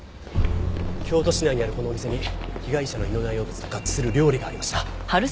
京都市内にあるこのお店に被害者の胃の内容物と合致する料理がありました。